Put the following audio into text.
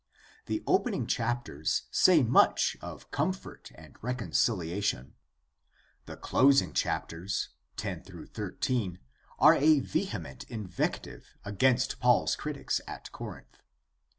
The opening chapters say much of comfort and reconciliation. The closing chapters, 10 13, are a vehement invective against Paul's critics at Corinth.